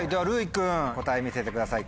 君答え見せてください